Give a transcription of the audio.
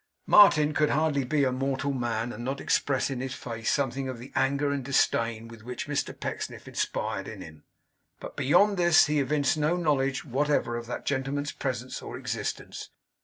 Martin could hardly be a mortal man, and not express in his face something of the anger and disdain with which Mr Pecksniff inspired him. But beyond this he evinced no knowledge whatever of that gentleman's presence or existence.